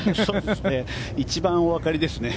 一番おわかりですね。